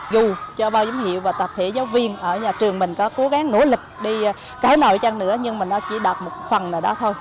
dù cho bao nhiêu hiệu và tập thể giáo viên ở nhà trường mình có cố gắng nỗ lực đi cái nội chăng nữa nhưng mà nó chỉ đạt một phần là đó thôi